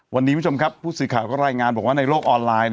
วันนี้คุณผู้ชมครับผู้สื่อข่าวก็รายงานบอกว่าในโลกออนไลน์